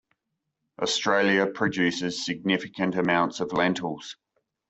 Australia produces significant amounts of lentils.